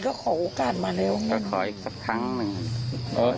ชาวบ้านว่ายังไง